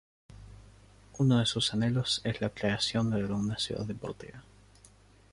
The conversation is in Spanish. Uno de sus anhelos es la creación de una ciudad deportiva.